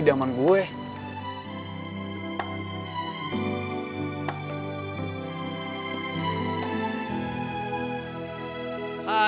tidak ada yang bisa dipercaya